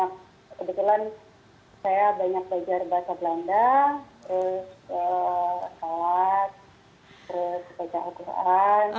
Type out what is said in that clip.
kebetulan saya banyak belajar bahasa belanda terus sholat terus baca al quran